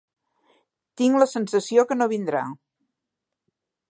Tinc la sensació que no vindrà.